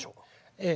ええ。